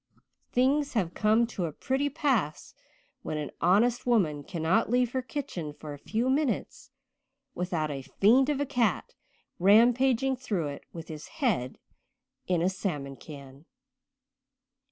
Things have come to a pretty pass when an honest woman cannot leave her kitchen for a few minutes without a fiend of a cat rampaging through it with his head in a salmon can."